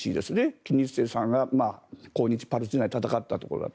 金日成さんが抗日パルチザンで戦ったところだと。